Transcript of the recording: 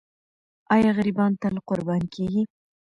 آیا غریبان تل قرباني کېږي؟